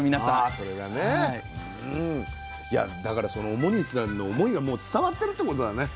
いやだからその表西さんの思いがもう伝わってるってことだね